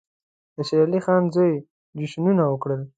د شېر علي خان زوی جشنونه وکړل.